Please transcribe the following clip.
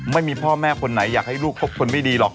ไม่มีพ่อแม่คนไหนอยากให้ลูกคบคนไม่ดีหรอก